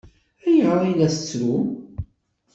Ayɣer i la tettrum?